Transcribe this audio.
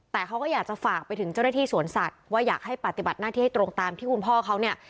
แต่เขาก็อยากจะฝากไปถึงเจ้าหน้าที่สวนสัตว์ว่าอยากให้ปฏิบัติหน้าที่ให้ตรงตามที่คุณพ่อเขาเนี่ย